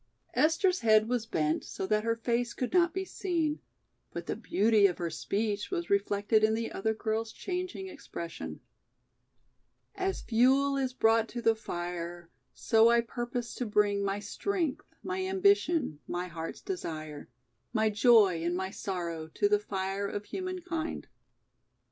Esther's head was bent so that her face could not be seen, but the beauty of her speech was reflected in the other girl's changing expression. "As fuel is brought to the fire, So I purpose to bring My strength, my ambition, My heart's desire, My joy And my sorrow To the fire Of humankind."